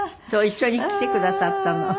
一緒に来てくださったの。